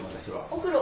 お風呂。